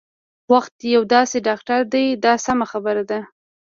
وخت یو داسې ډاکټر دی دا سمه خبره ده.